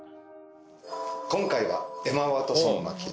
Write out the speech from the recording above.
今回はエマ・ワトソン巻き。